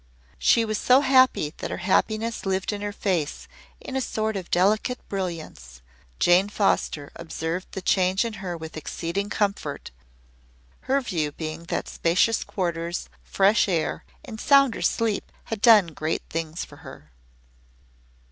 She was so happy that her happiness lived in her face in a sort of delicate brilliance. Jane Foster observed the change in her with exceeding comfort, her view being that spacious quarters, fresh air, and sounder sleep had done great things for her.